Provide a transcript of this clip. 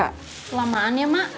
kelamaan ya mak